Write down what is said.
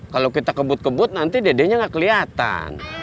kalau kita kebut kebut nanti dedeknya gak keliatan